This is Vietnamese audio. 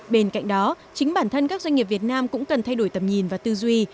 bên cạnh đó chính bản thân các doanh nghiệp việt nam cũng cần thay đổi tầm nhìn và tư duy